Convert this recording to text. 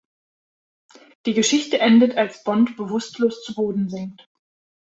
Die Geschichte endet, als Bond bewusstlos zu Boden sinkt.